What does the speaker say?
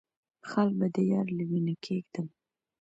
خال به د يار له وينو کېږدم